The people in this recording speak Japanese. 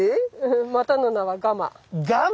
またの名はガマ。